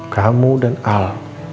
kamu dan al